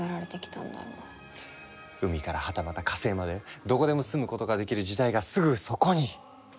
海からはたまた火星までどこでも住むことができる時代がすぐそこに！